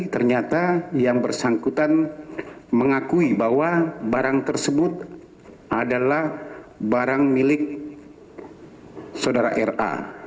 ternyata yang bersangkutan mengakui bahwa barang tersebut adalah barang milik saudara ra